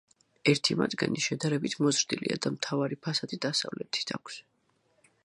ერთი მათგანი შედარებით მოზრდილია და მთავარი ფასადი დასავლეთით აქვს.